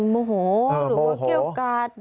โมโหหรือว่าเกี่ยวกัดหรือไม่พอใจตลอด